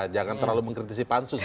jangan terlalu mengkritisi pansus